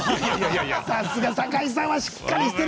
さすが酒井さんはしっかりしてる！